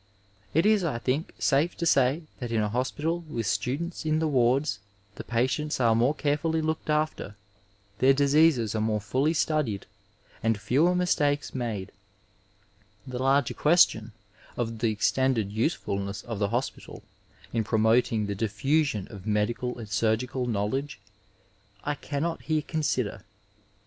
It is, I think, safe to say that 882 Digitized by Google THE HOSPITAL AS A COLLEGE in a hospital with students in the wards the patients are moie carefully looked after, their diseases are more fully studied and fewer mistakes made. The la^r question, of the extended usefulness of the hospital in promoting the diffusion of medical and surgical knowledge, I cannot here consider.